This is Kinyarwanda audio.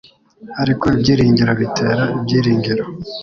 Ariko ibyiringiro bitera ibyiringiro.